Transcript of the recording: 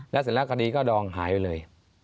แล้วเสร็จแล้วคดีก็ดองหายไปเลย